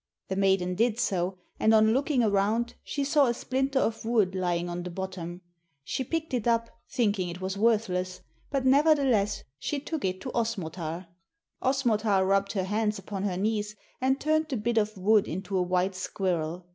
The maiden did so, and on looking around she saw a splinter of wood lying on the bottom. She picked it up, thinking it was worthless, but nevertheless she took it to Osmotar. Osmotar rubbed her hands upon her knees and turned the bit of wood into a white squirrel.